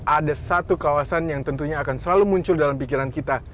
ada satu kawasan yang tentunya akan selalu muncul dalam pikiran kita